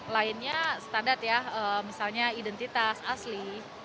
lainnya standar ya misalnya identitas asli